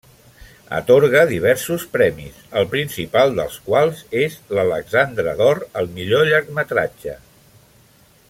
Atorga diversos premis, el principal dels quals és l'Alexandre d'Or al millor llargmetratge.